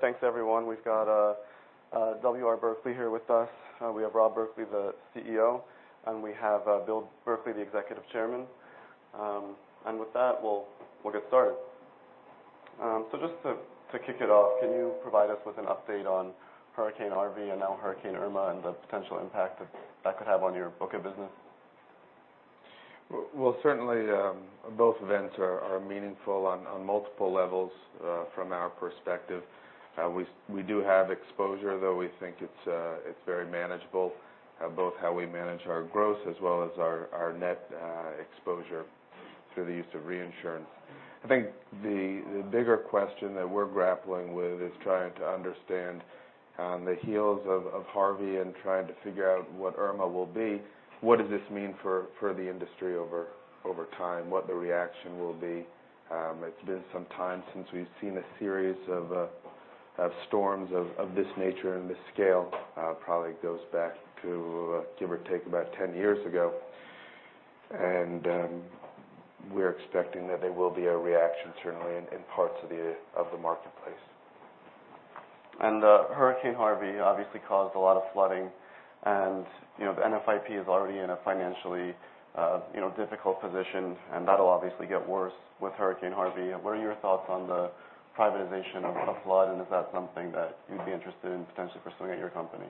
Thanks, everyone. We've got W. R. Berkley here with us. We have Rob Berkley, the CEO, and we have Bill Berkley, the Executive Chairman. With that, we'll get started. Just to kick it off, can you provide us with an update on Hurricane Harvey and now Hurricane Irma and the potential impact that could have on your book of business? Well, certainly both events are meaningful on multiple levels from our perspective. We do have exposure, though we think it's very manageable, both how we manage our gross as well as our net exposure through the use of reinsurance. I think the bigger question that we're grappling with is trying to understand, on the heels of Harvey and trying to figure out what Irma will be, what does this mean for the industry over time, what the reaction will be. It's been some time since we've seen a series of storms of this nature and this scale. Probably goes back to, give or take, about 10 years ago. We're expecting that there will be a reaction, certainly in parts of the marketplace. Hurricane Harvey obviously caused a lot of flooding. The NFIP is already in a financially difficult position, and that'll obviously get worse with Hurricane Harvey. What are your thoughts on the privatization of flood, is that something that you'd be interested in potentially pursuing at your company?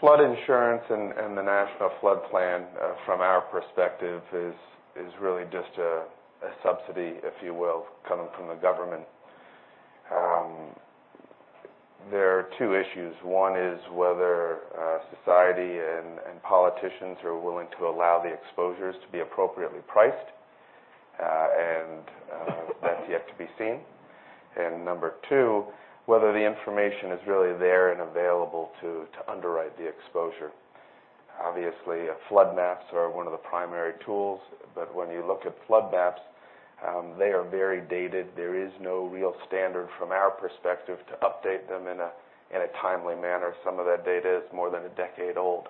Flood insurance and the National Flood Plan, from our perspective, is really just a subsidy, if you will, coming from the government. There are two issues. One is whether society and politicians are willing to allow the exposures to be appropriately priced. That's yet to be seen. Number two, whether the information is really there and available to underwrite the exposure. Obviously, flood maps are one of the primary tools, but when you look at flood maps, they are very dated. There is no real standard, from our perspective, to update them in a timely manner. Some of that data is more than a decade old.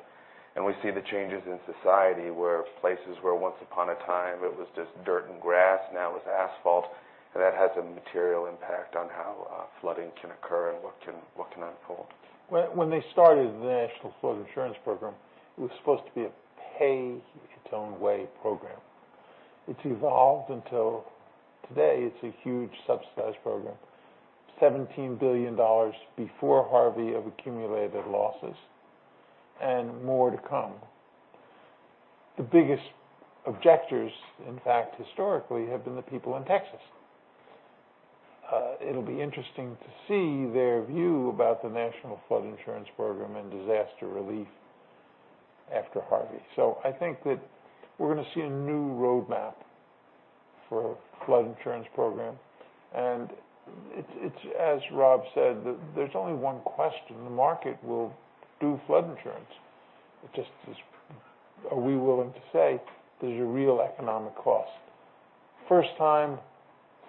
We see the changes in society where places where once upon a time it was just dirt and grass, now is asphalt, and that has a material impact on how flooding can occur and what can unfold. When they started the National Flood Insurance Program, it was supposed to be a pay-its-own-way program. It's evolved until today, it's a huge subsidized program, $17 billion before Harvey of accumulated losses and more to come. The biggest objectors, in fact, historically, have been the people in Texas. It'll be interesting to see their view about the National Flood Insurance Program and disaster relief after Harvey. I think that we're going to see a new roadmap for flood insurance program. It's as Rob said, there's only one question. The market will do flood insurance. It just is, are we willing to say there's a real economic cost? First time,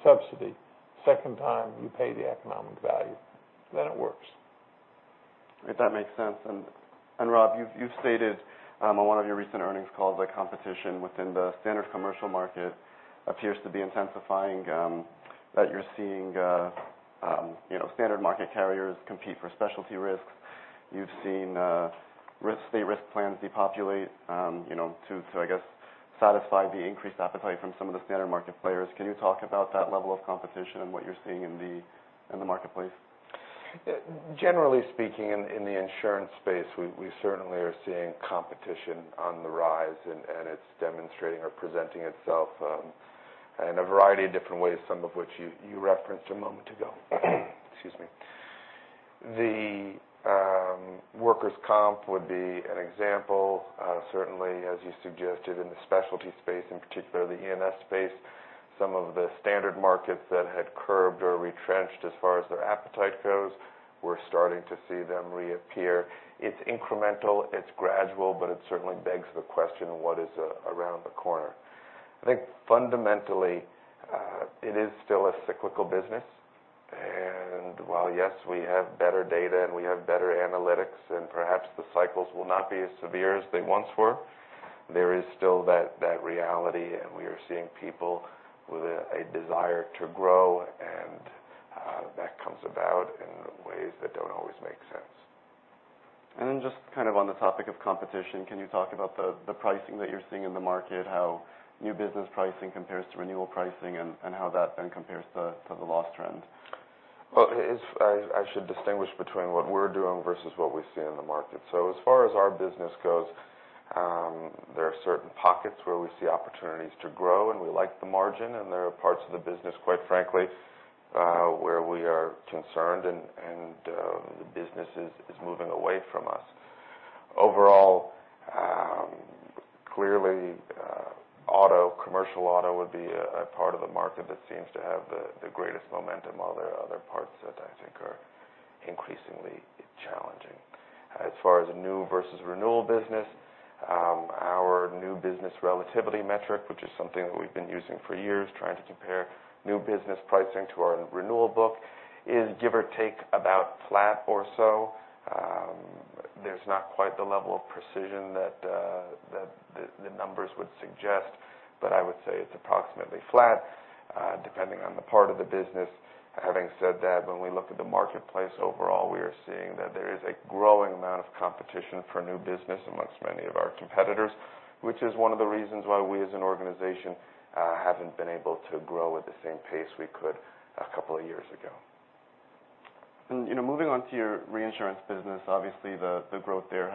subsidy. Second time, you pay the economic value. It works. If that makes sense. Rob, you've stated on one of your recent earnings calls that competition within the standard commercial market appears to be intensifying, that you're seeing standard market carriers compete for specialty risks. You've seen state risk plans depopulate to, I guess, satisfy the increased appetite from some of the standard market players. Can you talk about that level of competition and what you're seeing in the marketplace? Generally speaking, in the insurance space, we certainly are seeing competition on the rise, and it's demonstrating or presenting itself in a variety of different ways, some of which you referenced a moment ago. Excuse me. The workers' comp would be an example. Certainly, as you suggested, in the specialty space, in particular the E&S space, some of the standard markets that had curbed or retrenched as far as their appetite goes, we're starting to see them reappear. It's incremental, it's gradual, but it certainly begs the question of what is around the corner. I think fundamentally, it is still a cyclical business. While, yes, we have better data and we have better analytics, and perhaps the cycles will not be as severe as they once were, there is still that reality, and we are seeing people with a desire to grow, and that comes about in ways that don't always make sense. Just on the topic of competition, can you talk about the pricing that you're seeing in the market, how new business pricing compares to renewal pricing, and how that then compares to the loss trend? Well, I should distinguish between what we're doing versus what we see in the market. As far as our business goes, there are certain pockets where we see opportunities to grow, and we like the margin, and there are parts of the business, quite frankly, where we are concerned and the business is moving away from us. Overall, clearly, commercial auto would be a part of the market that seems to have the greatest momentum. Other parts that I think are increasingly challenging. As far as the new versus renewal business, our new business relativity metric, which is something that we've been using for years, trying to compare new business pricing to our renewal book, is give or take about flat or so. There's not quite the level of precision that the numbers would suggest, but I would say it's approximately flat, depending on the part of the business. Having said that, when we look at the marketplace overall, we are seeing that there is a growing amount of competition for new business amongst many of our competitors, which is one of the reasons why we, as an organization, haven't been able to grow at the same pace we could a couple of years ago. Moving on to your reinsurance business, obviously the growth there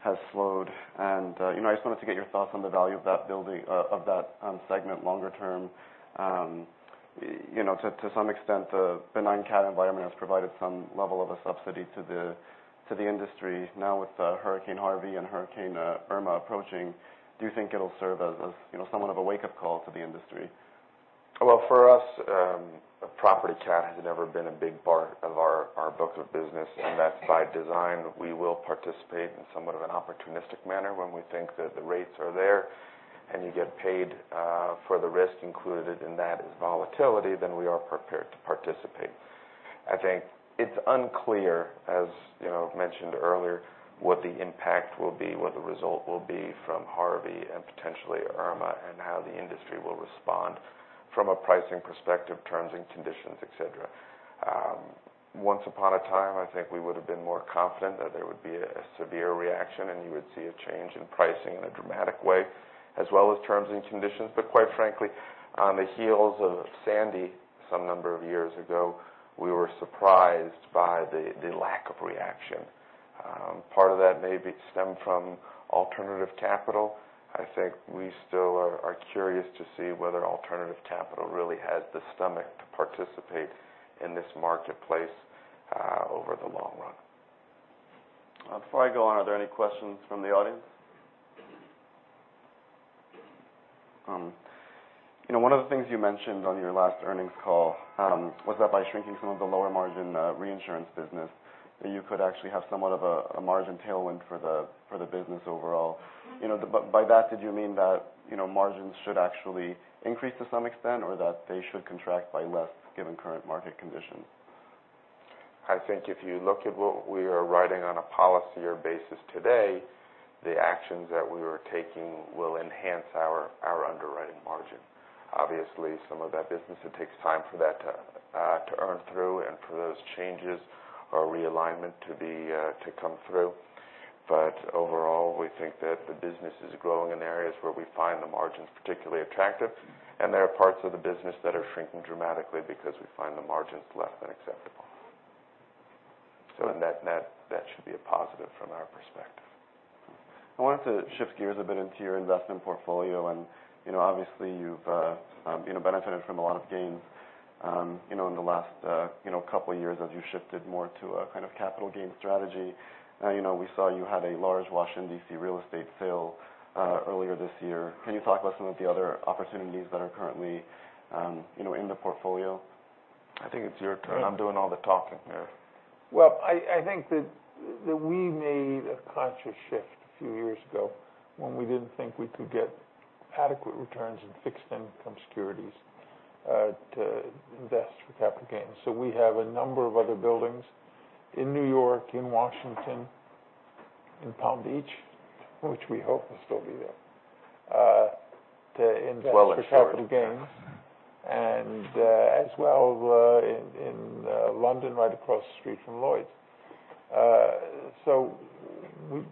has slowed. I just wanted to get your thoughts on the value of that segment longer term. To some extent, the benign cat environment has provided some level of a subsidy to the industry. Now, with Hurricane Harvey and Hurricane Irma approaching, do you think it'll serve as somewhat of a wake-up call to the industry? For us, property cat has never been a big part of our book of business, and that's by design. We will participate in somewhat of an opportunistic manner when we think that the rates are there, and you get paid for the risk included in that as volatility, then we are prepared to participate. I think it's unclear, as mentioned earlier, what the impact will be, what the result will be from Harvey and potentially Irma, and how the industry will respond from a pricing perspective, terms and conditions, et cetera. Once upon a time, I think we would have been more confident that there would be a severe reaction, and you would see a change in pricing in a dramatic way, as well as terms and conditions. Quite frankly, on the heels of Sandy, some number of years ago, we were surprised by the lack of reaction. Part of that may stem from alternative capital. I think we still are curious to see whether alternative capital really has the stomach to participate in this marketplace over the long run. Before I go on, are there any questions from the audience? One of the things you mentioned on your last earnings call was that by shrinking some of the lower margin reinsurance business, you could actually have somewhat of a margin tailwind for the business overall. By that, did you mean that margins should actually increase to some extent or that they should contract by less given current market conditions? I think if you look at what we are writing on a policy-year basis today, the actions that we are taking will enhance our underwriting margin. Obviously, some of that business, it takes time for that to earn through and for those changes or realignment to come through. Overall, we think that the business is growing in areas where we find the margins particularly attractive, and there are parts of the business that are shrinking dramatically because we find the margins less than acceptable. That should be a positive from our perspective. I wanted to shift gears a bit into your investment portfolio. Obviously you've benefited from a lot of gains in the last couple of years as you shifted more to a kind of capital gain strategy. We saw you had a large Washington, D.C. real estate sale earlier this year. Can you talk about some of the other opportunities that are currently in the portfolio? I think it's your turn. I'm doing all the talking here. Well, I think that we made a conscious shift a few years ago when we didn't think we could get adequate returns in fixed income securities to invest for capital gains. We have a number of other buildings in New York, in Washington, in Palm Beach, which we hope will still be there. Well insured to invest for capital gains. As well in London, right across the street from Lloyd's.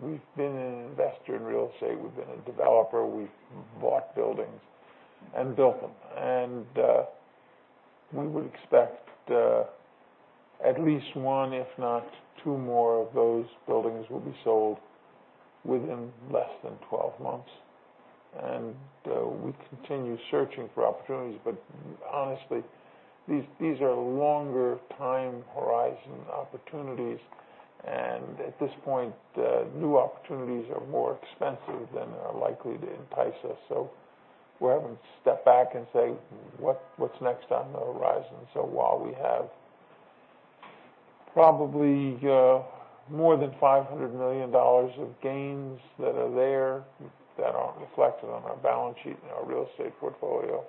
We've been an investor in real estate. We've been a developer. We've bought buildings and built them. We would expect at least one, if not two more of those buildings will be sold within less than 12 months. We continue searching for opportunities, but honestly, these are longer time horizon opportunities, and at this point, new opportunities are more expensive than are likely to entice us. We're having to step back and say, "What's next on the horizon?" While we have probably more than $500 million of gains that are there that aren't reflected on our balance sheet in our real estate portfolio,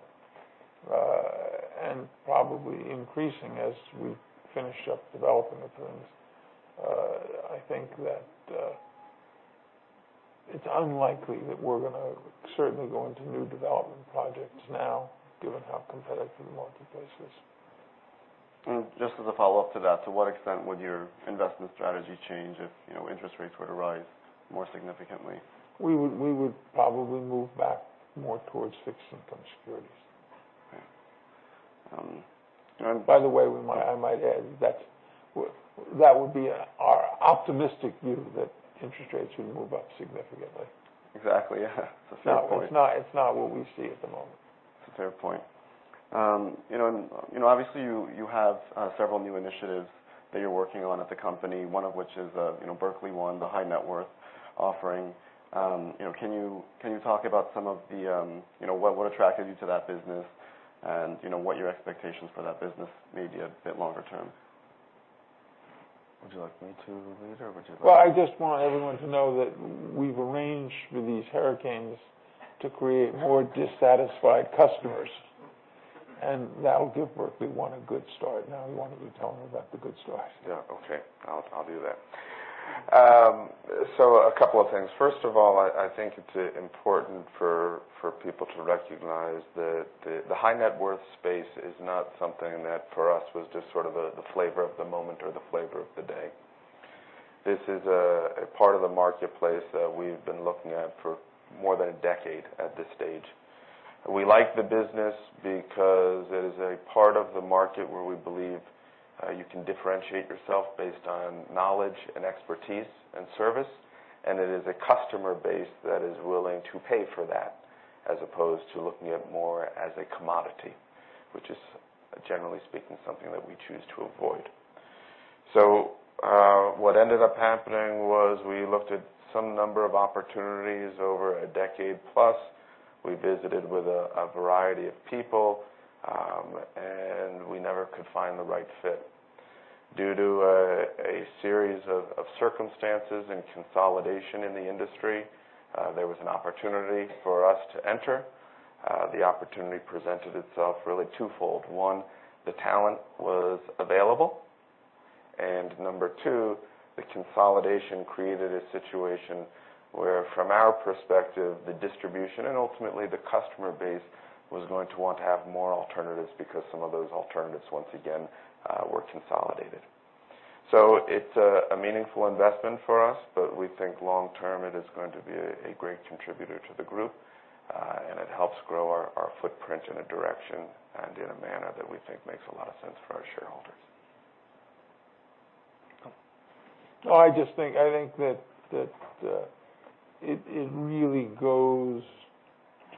and probably increasing as we finish up developing the twins, I think that it's unlikely that we're going to certainly go into new development projects now given how competitive the marketplace is. Just as a follow-up to that, to what extent would your investment strategy change if interest rates were to rise more significantly? We would probably move back more towards fixed income securities. Okay. By the way, I might add, that would be our optimistic view that interest rates would move up significantly. Exactly. Yeah. That's a fair point. It's not what we see at the moment. It's a fair point. Obviously, you have several new initiatives that you're working on at the company, one of which is Berkley One, the high net worth offering. Can you talk about what attracted you to that business and what your expectations for that business may be a bit longer term? Would you like me to? [inaudible] Well, I just want everyone to know that we've arranged for these hurricanes to create more dissatisfied customers. Now Robert, we want a good story. Why don't you tell them about the good story? Yeah, okay. I'll do that. A couple of things. First of all, I think it's important for people to recognize that the high net worth space is not something that for us was just sort of the flavor of the moment or the flavor of the day. This is a part of the marketplace that we've been looking at for more than a decade at this stage. We like the business because it is a part of the market where we believe you can differentiate yourself based on knowledge and expertise and service, and it is a customer base that is willing to pay for that as opposed to looking at more as a commodity, which is generally speaking, something that we choose to avoid. What ended up happening was we looked at some number of opportunities over a decade plus. We visited with a variety of people, and we never could find the right fit. Due to a series of circumstances and consolidation in the industry, there was an opportunity for us to enter. The opportunity presented itself really twofold. One, the talent was available, and number two, the consolidation created a situation where, from our perspective, the distribution and ultimately the customer base was going to want to have more alternatives because some of those alternatives once again, were consolidated. It's a meaningful investment for us, but we think long term it is going to be a great contributor to the group, and it helps grow our footprint in a direction and in a manner that we think makes a lot of sense for our shareholders. I just think that it really goes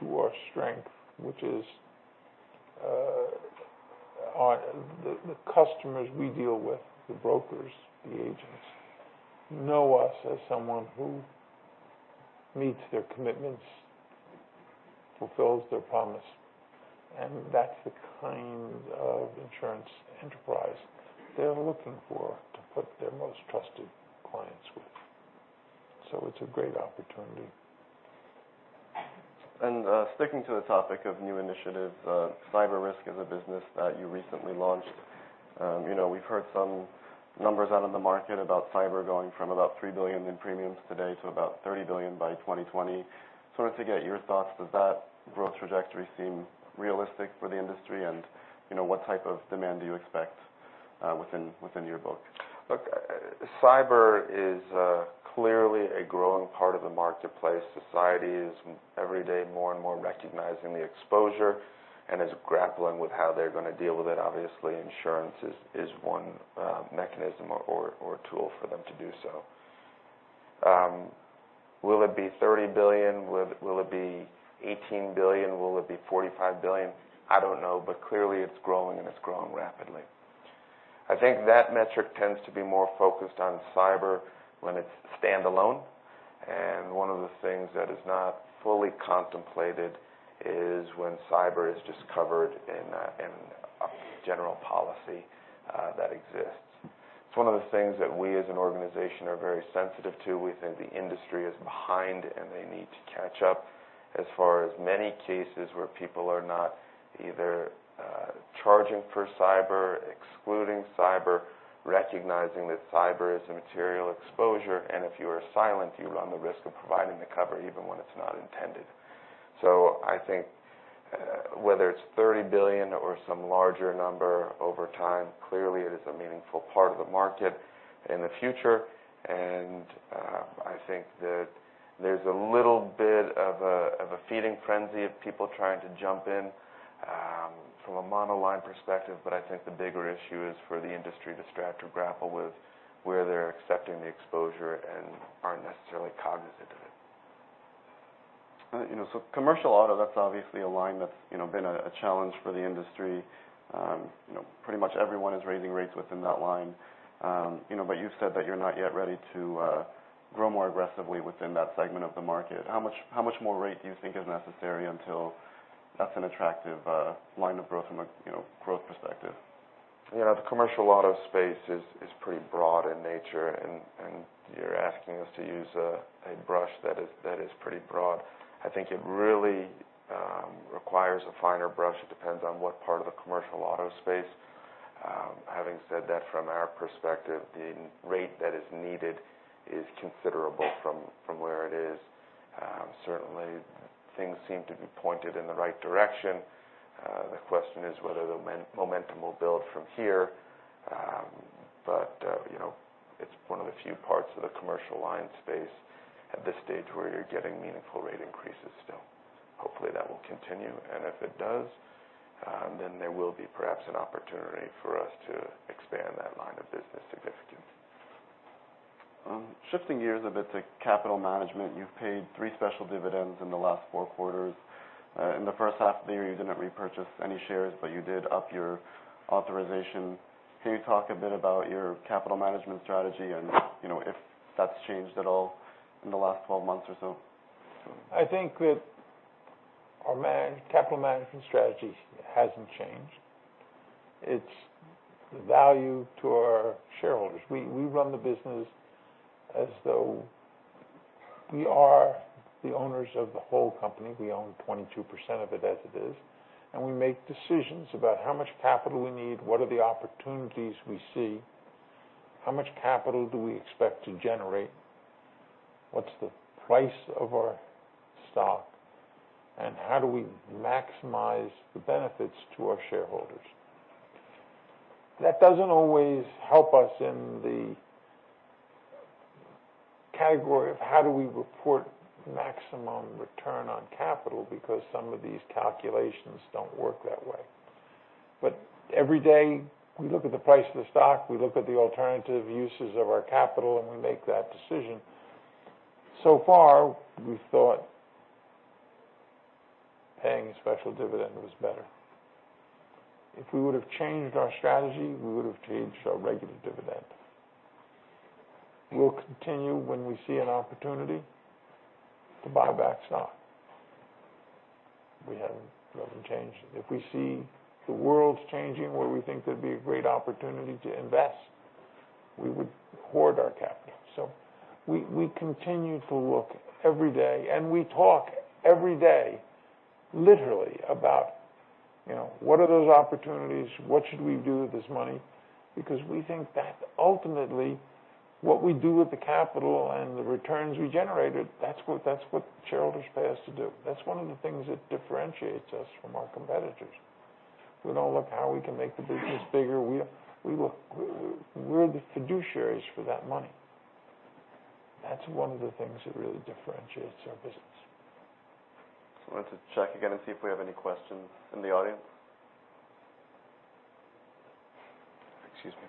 to our strength, which is the customers we deal with, the brokers, the agents, know us as someone who meets their commitments, fulfills their promise, and that's the kind of insurance enterprise they're looking for to put their most trusted clients with. It's a great opportunity. Sticking to the topic of new initiatives, cyber risk is a business that you recently launched. We've heard some numbers out in the market about cyber going from about $3 billion in premiums today to about $30 billion by 2020. Sort of to get your thoughts, does that growth trajectory seem realistic for the industry? What type of demand do you expect within your book? Look, cyber is clearly a growing part of the marketplace. Society is every day more and more recognizing the exposure and is grappling with how they're going to deal with it. Obviously, insurance is one mechanism or tool for them to do so. Will it be $30 billion? Will it be $18 billion? Will it be $45 billion? I don't know, but clearly it's growing, and it's growing rapidly. I think that metric tends to be more focused on cyber when it's standalone, and one of the things that is not fully contemplated is when cyber is just covered in a general policy that exists. It's one of the things that we as an organization are very sensitive to. We think the industry is behind, and they need to catch up as far as many cases where people are not either charging for cyber, excluding cyber, recognizing that cyber is a material exposure, and if you are silent, you run the risk of providing the cover even when it's not intended. I think whether it's $30 billion or some larger number over time, clearly it is a meaningful part of the market in the future. I think that there's a little bit of a feeding frenzy of people trying to jump in from a monoline perspective. I think the bigger issue is for the industry to start to grapple with where they're accepting the exposure and aren't necessarily cognizant of it. Commercial auto, that's obviously a line that's been a challenge for the industry. Pretty much everyone is raising rates within that line. You've said that you're not yet ready to grow more aggressively within that segment of the market. How much more rate do you think is necessary until that's an attractive line of growth from a growth perspective? The commercial auto space is pretty broad in nature, and you're asking us to use a brush that is pretty broad. I think it really requires a finer brush. It depends on what part of the commercial auto space. Having said that, from our perspective, the rate that is needed is considerable from where it is. Certainly, things seem to be pointed in the right direction. The question is whether the momentum will build from here. It's one of the few parts of the commercial line space at this stage where you're getting meaningful rate increases still. Hopefully, that will continue, and if it does, then there will be perhaps an opportunity for us to expand that line of business significantly. Shifting gears a bit to capital management. You've paid three special dividends in the last four quarters. In the first half of the year, you didn't repurchase any shares, but you did up your authorization. Can you talk a bit about your capital management strategy and if that's changed at all in the last 12 months or so? I think that our capital management strategy hasn't changed. It's value to our shareholders. We run the business as though we are the owners of the whole company. We own 22% of it as it is. We make decisions about how much capital we need, what are the opportunities we see, how much capital do we expect to generate, what's the price of our stock, and how do we maximize the benefits to our shareholders. That doesn't always help us in the category of how do we report maximum return on capital, because some of these calculations don't work that way. Every day we look at the price of the stock, we look at the alternative uses of our capital, and we make that decision. So far, we thought paying a special dividend was better. If we would have changed our strategy, we would have changed our regular dividend. We'll continue when we see an opportunity to buy back stock. We haven't changed. If we see the world's changing, where we think there'd be a great opportunity to invest, we would hoard our capital. We continue to look every day, and we talk every day, literally, about what are those opportunities? What should we do with this money? Because we think that ultimately what we do with the capital and the returns we generated, that's what shareholders pay us to do. That's one of the things that differentiates us from our competitors. We don't look how we can make the business bigger. We're the fiduciaries for that money. That's one of the things that really differentiates our business. Just wanted to check again and see if we have any questions in the audience. Excuse me.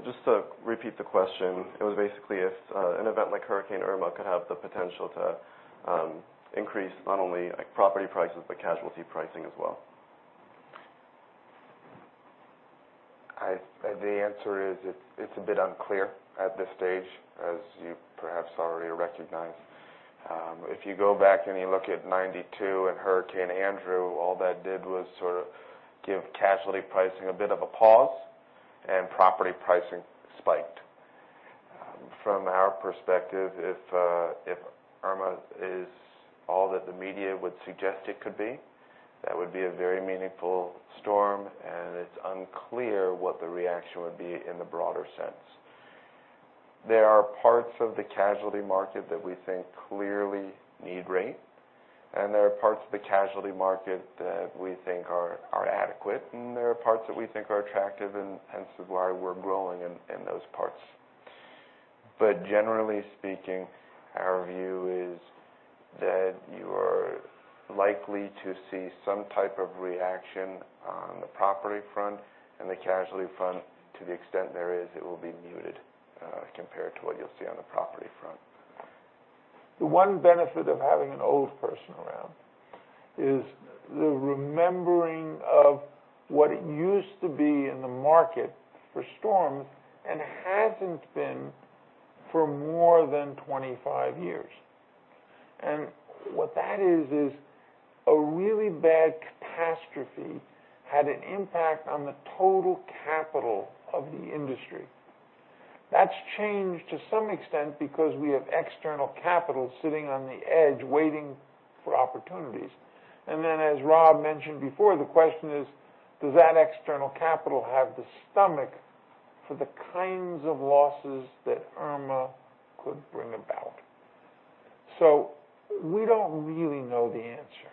Yes, sir. Yes, sir. Yes. I know you don't have much property and property casualty exposure, so your exposure to hurricanes is very low, especially relative to a lot of companies that are out there. My question to you is, [inaudible] if this a huge amount of losses, do you think that would be enough of impetus to actually have casualty pricing go enough that you can mitigate some of the costs? Because I'm not a big fan of just attaching prices for the most part of the results. You need some amount of rating. Just to repeat the question, it was basically if an event like Hurricane Irma could have the potential to increase not only property prices, but casualty pricing as well. The answer is it's a bit unclear at this stage, as you perhaps already recognize. If you go back and you look at 1992 and Hurricane Andrew, all that did was sort of give casualty pricing a bit of a pause and property pricing spiked. From our perspective, if Irma is all that the media would suggest it could be, that would be a very meaningful storm, and it's unclear what the reaction would be in the broader sense. There are parts of the casualty market that we think clearly need rate, and there are parts of the casualty market that we think are adequate, and there are parts that we think are attractive, and hence why we're growing in those parts. Generally speaking, our view is that you are likely to see some type of reaction on the property front and the casualty front. To the extent there is, it will be muted compared to what you'll see on the property front. The one benefit of having an old person around is the remembering of what it used to be in the market for storms and hasn't been for more than 25 years. What that is a really bad catastrophe had an impact on the total capital of the industry. That's changed to some extent because we have external capital sitting on the edge waiting for opportunities. Then, as Rob mentioned before, the question is: Does that external capital have the stomach for the kinds of losses that Irma could bring about? We don't really know the answer.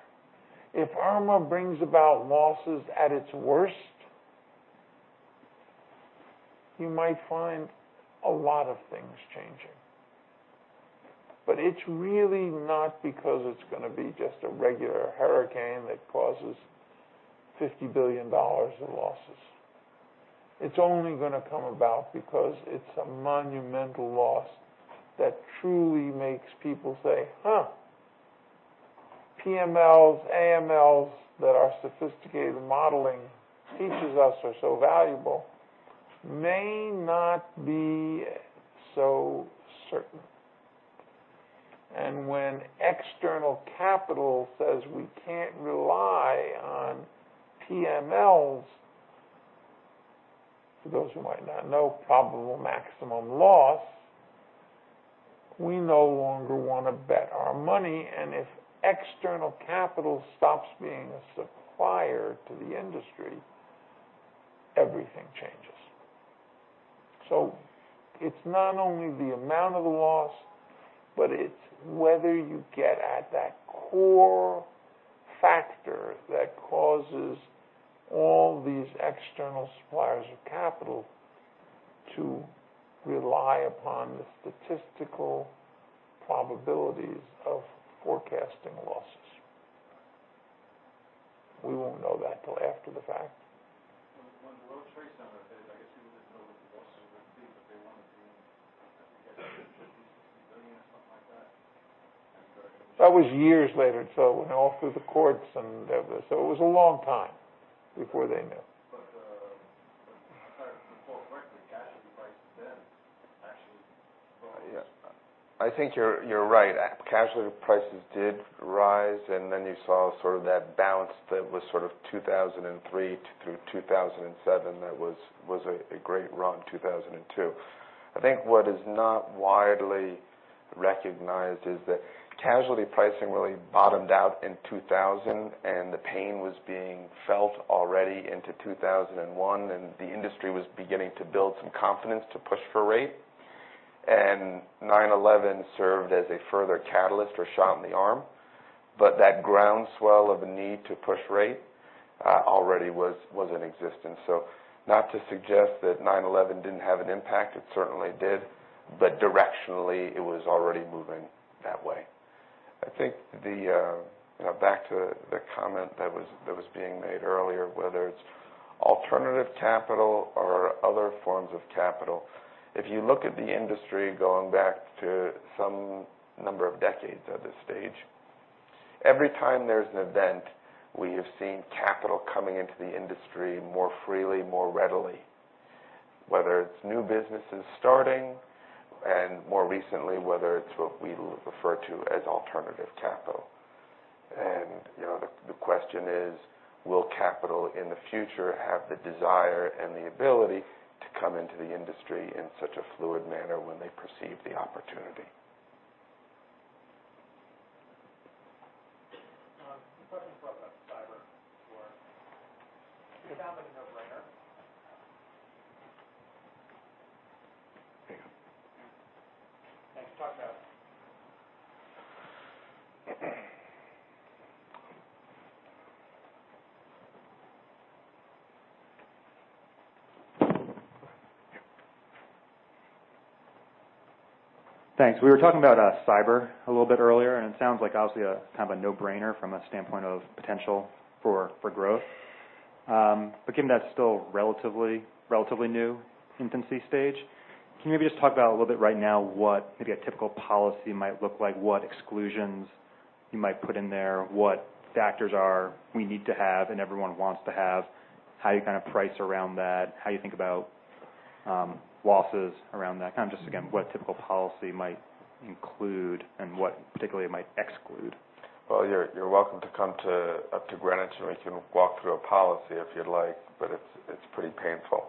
If Irma brings about losses at its worst, you might find a lot of things changing. It's really not because it's going to be just a regular hurricane that causes $50 billion in losses. It's only going to come about because it's a monumental loss that truly makes people say, "Huh, PMLs, AMLs that our sophisticated modeling teaches us are so valuable may not be so certain." When external capital says we can't rely on PMLs, for those who might not know, probable maximum loss, we no longer want to bet our money, if external capital stops being a supplier to the industry, everything changes. It's not only the amount of the loss, but it's whether you get at that core factor that causes all these external suppliers of capital to rely upon the statistical probabilities of forecasting losses. We won't know that till after the fact. When the World Trade Center hit, I guess you wouldn't know what the loss ultimately, but they wanted to, I forget, $50 billion-$60 billion or something like that. That was years later. It went all through the courts, it was a long time before they knew. Before Berkley, casualty prices then actually rose. I think you're right. Casualty prices did rise, then you saw that bounce that was 2003 through 2007. That was a great run, 2002. I think what is not widely recognized is that casualty pricing really bottomed out in 2000, the pain was being felt already into 2001, the industry was beginning to build some confidence to push for rate. 9/11 served as a further catalyst or shot in the arm. That ground swell of a need to push rate already was in existence. Not to suggest that 9/11 didn't have an impact, it certainly did, directionally, it was already moving that way. Back to the comment that was being made earlier, whether it's alternative capital or other forms of capital. If you look at the industry going back to some number of decades at this stage, every time there's an event, we have seen capital coming into the industry more freely, more readily. Whether it's new businesses starting and more recently, whether it's what we refer to as alternative capital. The question is, will capital in the future have the desire and the ability to come into the industry in such a fluid manner when they perceive the opportunity? A few questions brought up cyber before. It sounds like a no-brainer. Here you go. You talked about Thanks. We were talking about cyber a little bit earlier, and it sounds like obviously a kind of a no-brainer from a standpoint of potential for growth. Given that it's still relatively new, infancy stage, can you maybe just talk about a little bit right now what maybe a typical policy might look like, what exclusions you might put in there, what factors we need to have and everyone wants to have, how you price around that, how you think about losses around that. Just again, what a typical policy might include and what particularly it might exclude. Well, you're welcome to come up to Greenwich, and we can walk through a policy if you'd like, but it's pretty painful.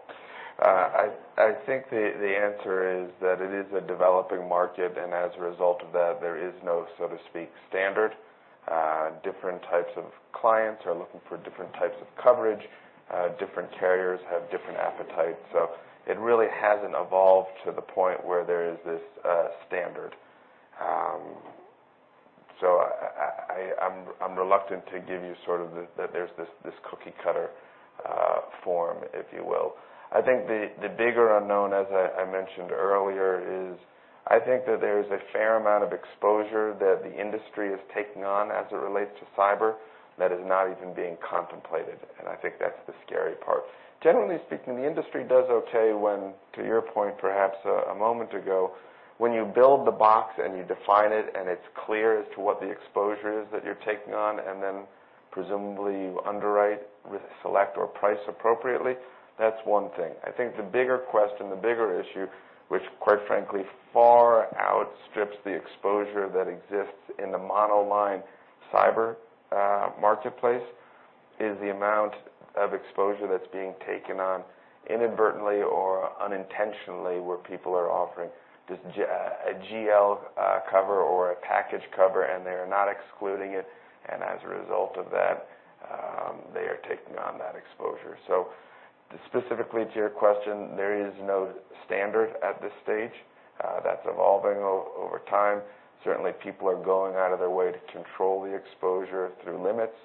I think the answer is that it is a developing market, and as a result of that, there is no so to speak standard. Different types of clients are looking for different types of coverage. Different carriers have different appetites. It really hasn't evolved to the point where there is this standard. I'm reluctant to give you that there's this cookie cutter form, if you will. I think the bigger unknown, as I mentioned earlier is, I think that there is a fair amount of exposure that the industry is taking on as it relates to cyber that is not even being contemplated, and I think that's the scary part. Generally speaking, the industry does okay when, to your point perhaps a moment ago, when you build the box and you define it, and it's clear as to what the exposure is that you're taking on, and then presumably you underwrite with select or price appropriately. That's one thing. I think the bigger question, the bigger issue, which quite frankly far outstrips the exposure that exists in the monoline cyber marketplace, is the amount of exposure that's being taken on inadvertently or unintentionally where people are offering just a GL cover or a package cover, and they are not excluding it. As a result of that, they are taking on that exposure. Specifically to your question, there is no standard at this stage. That's evolving over time. Certainly, people are going out of their way to control the exposure through limits.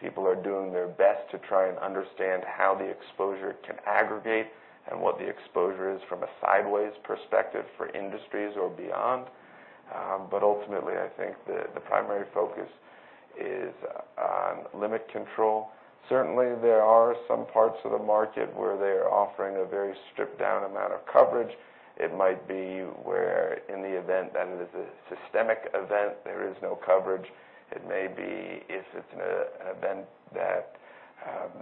People are doing their best to try and understand how the exposure can aggregate and what the exposure is from a sideways perspective for industries or beyond. Ultimately, I think the primary focus is on limit control. Certainly, there are some parts of the market where they are offering a very stripped-down amount of coverage. It might be where in the event that it is a systemic event, there is no coverage. It may be if it's an event that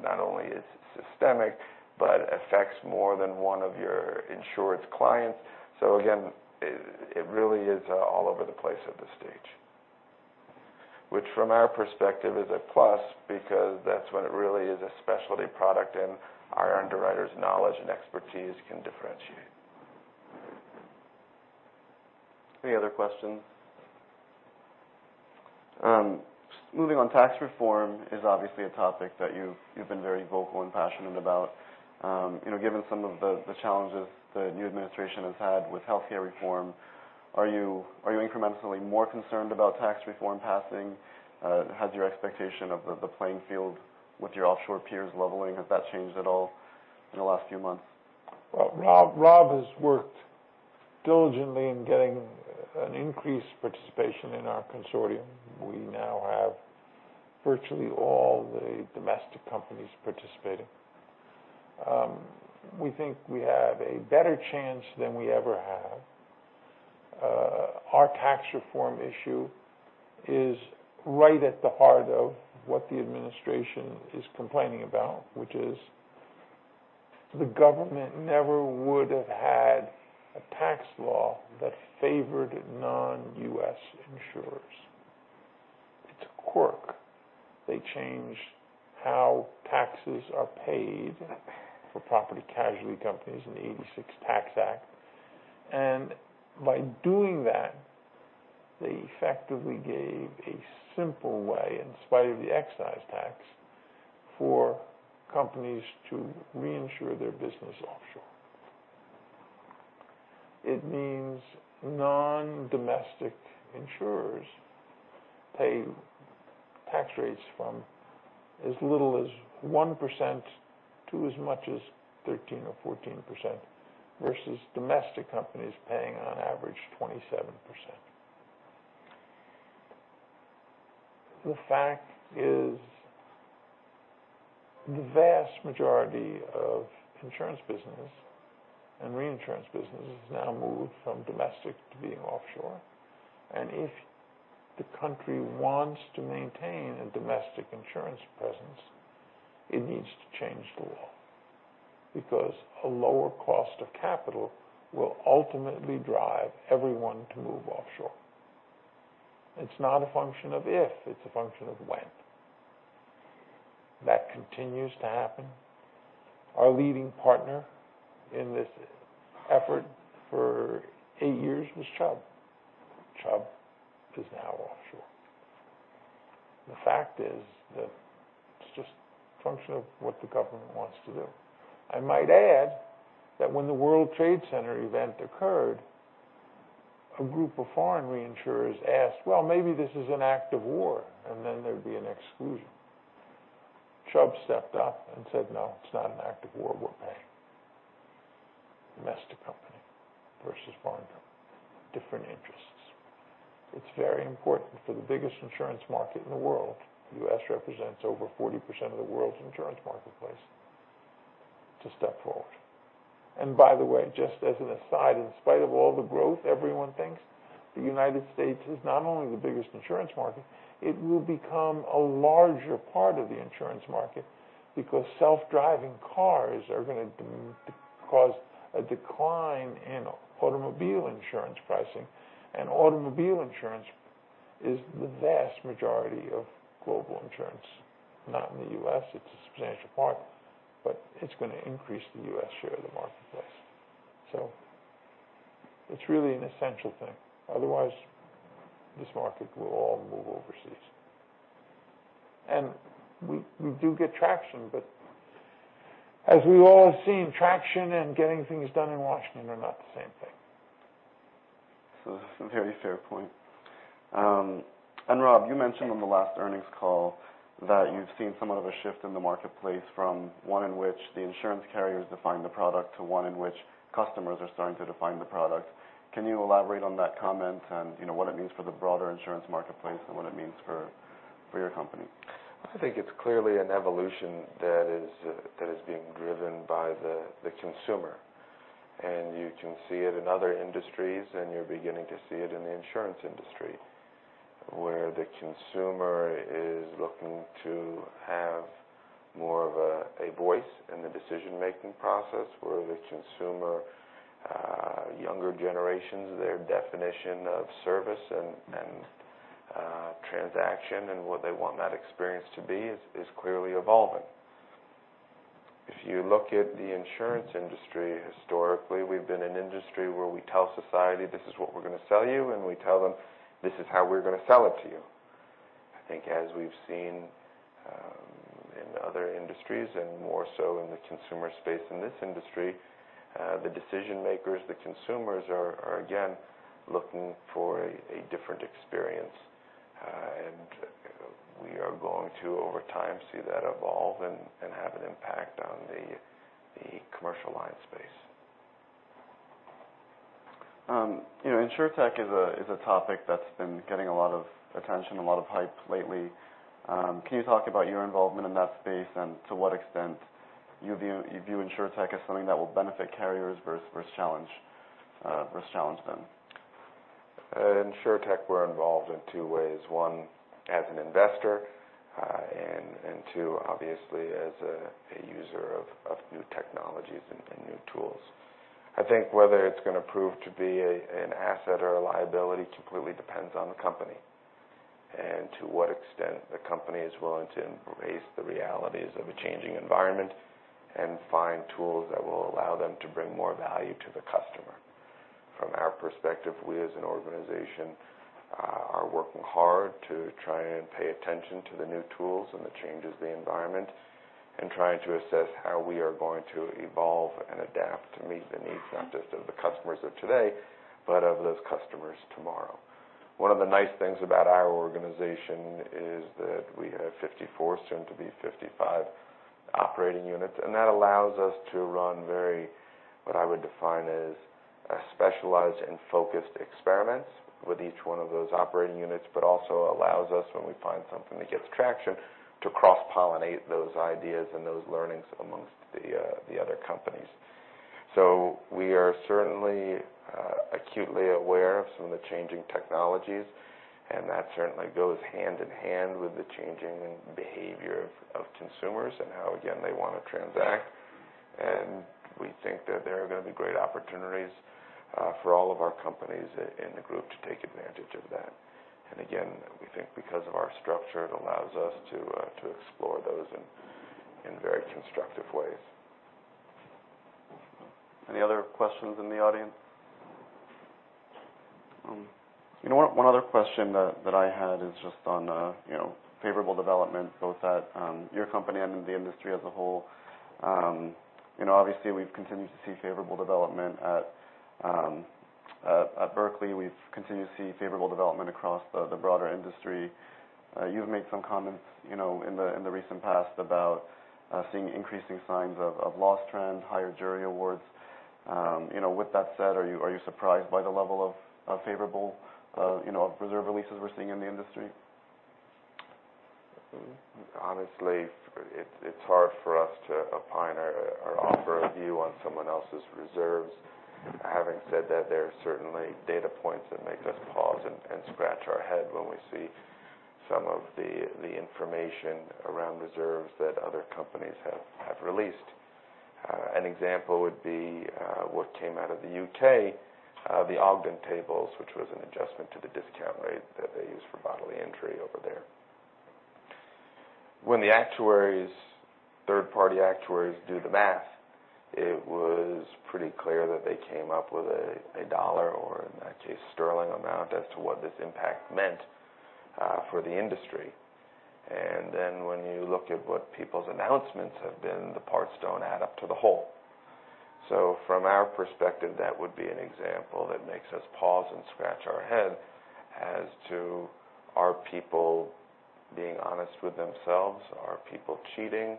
not only is systemic but affects more than one of your insured's clients. Again, it really is all over the place at this stage. Which from our perspective is a plus because that's when it really is a specialty product and our underwriters' knowledge and expertise can differentiate. Any other questions? Moving on. Tax Reform is obviously a topic that you've been very vocal and passionate about. Given some of the challenges the new administration has had with healthcare reform, are you incrementally more concerned about Tax Reform passing? Has your expectation of the playing field with your offshore peers leveling, has that changed at all in the last few months? Well, Rob has worked diligently in getting an increased participation in our consortium. We now have virtually all the domestic companies participating. We think we have a better chance than we ever have. Our Tax Reform issue is right at the heart of what the administration is complaining about, which is the government never would have had a tax law that favored non-U.S. insurers. It's a quirk. They changed how taxes are paid for property casualty companies in the '86 Tax Act. By doing that, they effectively gave a simple way, in spite of the excise tax, for companies to reinsure their business offshore. It means non-domestic insurers pay tax rates from as little as 1% to as much as 13% or 14%, versus domestic companies paying on average 27%. The fact is, the vast majority of insurance business and reinsurance business has now moved from domestic to being offshore. If the country wants to maintain a domestic insurance presence, it needs to change the law, because a lower cost of capital will ultimately drive everyone to move offshore. It's not a function of if, it's a function of when. That continues to happen. Our leading partner in this effort for eight years was Chubb. Chubb is now offshore. The fact is that it's just a function of what the government wants to do. I might add that when the World Trade Center event occurred, a group of foreign reinsurers asked, "Well, maybe this is an act of war, and then there'd be an exclusion." Chubb stepped up and said, "No, it's not an act of war. We're paying." Domestic company versus foreign company, different interests. It's very important for the biggest insurance market in the world, the U.S. represents over 40% of the world's insurance marketplace, to step forward. By the way, just as an aside, in spite of all the growth everyone thinks, the United States is not only the biggest insurance market, it will become a larger part of the insurance market because self-driving cars are going to cause a decline in automobile insurance pricing. Automobile insurance is the vast majority of global insurance. Not in the U.S., it's a substantial part, but it's going to increase the U.S. share of the marketplace. It's really an essential thing. Otherwise, this market will all move overseas. We do get traction, but as we all have seen, traction and getting things done in Washington are not the same thing. This is a very fair point. Rob, you mentioned on the last earnings call that you've seen somewhat of a shift in the marketplace from one in which the insurance carriers define the product to one in which customers are starting to define the product. Can you elaborate on that comment and what it means for the broader insurance marketplace and what it means for your company? I think it's clearly an evolution that is being driven by the consumer. You can see it in other industries, and you're beginning to see it in the insurance industry, where the consumer is looking to have more of a voice in the decision-making process. Where the consumer, younger generations, their definition of service and transaction and what they want that experience to be is clearly evolving. If you look at the insurance industry historically, we've been an industry where we tell society, this is what we're going to sell you, and we tell them, this is how we're going to sell it to you. I think as we've seen in other industries, and more so in the consumer space in this industry, the decision makers, the consumers are, again, looking for a different experience. We are going to, over time, see that evolve and have an impact on the commercial line space. Insurtech is a topic that's been getting a lot of attention, a lot of hype lately. Can you talk about your involvement in that space and to what extent you view Insurtech as something that will benefit carriers versus challenge them? Insurtech, we're involved in two ways. One, as an investor, and two, obviously as a user of new technologies and new tools. I think whether it's going to prove to be an asset or a liability completely depends on the company. To what extent the company is willing to embrace the realities of a changing environment and find tools that will allow them to bring more value to the customer. From our perspective, we as an organization are working hard to try and pay attention to the new tools and the changes in the environment, and trying to assess how we are going to evolve and adapt to meet the needs, not just of the customers of today, but of those customers tomorrow. One of the nice things about our organization is that we have 54, soon to be 55, operating units. That allows us to run very, what I would define as, specialized and focused experiments with each one of those operating units. Also allows us, when we find something that gets traction, to cross-pollinate those ideas and those learnings amongst the other companies. We are certainly acutely aware of some of the changing technologies, and that certainly goes hand in hand with the changing behavior of consumers and how, again, they want to transact. We think that there are going to be great opportunities for all of our companies in the group to take advantage of that. Again, we think because of our structure, it allows us to explore those in very constructive ways. Any other questions in the audience? One other question that I had is just on favorable developments, both at your company and in the industry as a whole. Obviously, we've continued to see favorable development at Berkley. We've continued to see favorable development across the broader industry. You've made some comments in the recent past about seeing increasing signs of loss trends, higher jury awards. With that said, are you surprised by the level of favorable reserve releases we're seeing in the industry? Honestly, it's hard for us to opine or offer a view on someone else's reserves. Having said that, there are certainly data points that make us pause and scratch our head when we see some of the information around reserves that other companies have released. An example would be what came out of the U.K., the Ogden tables, which was an adjustment to the discount rate that they use for bodily injury over there. When the third-party actuaries do the math, it was pretty clear that they came up with a $ or in that case, GBP amount, as to what this impact meant for the industry. When you look at what people's announcements have been, the parts don't add up to the whole. From our perspective, that would be an example that makes us pause and scratch our head as to, are people being honest with themselves? Are people cheating?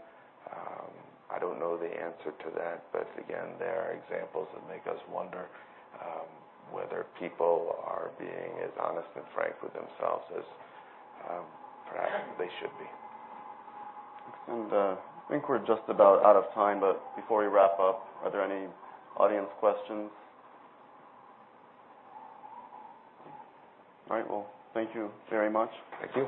I don't know the answer to that. Again, there are examples that make us wonder whether people are being as honest and frank with themselves as perhaps they should be. I think we're just about out of time, before we wrap up, are there any audience questions? All right, well, thank you very much. Thank you.